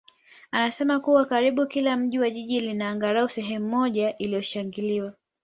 anasema kuwa karibu kila mji na jiji lina angalau sehemu moja iliyoshangiliwa.